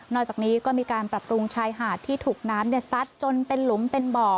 จากนี้ก็มีการปรับปรุงชายหาดที่ถูกน้ำซัดจนเป็นหลุมเป็นบ่อ